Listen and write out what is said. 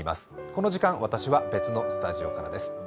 この時間、私は別のスタジオからです。